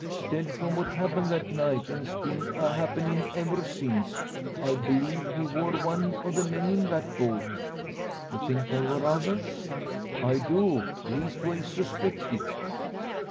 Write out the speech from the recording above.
'Stead, from what happened that night, an's been a' happenin' ever since, I b'lieve he wor one o' the men in that boat." "You think there were others?" "I do leastways suspect it."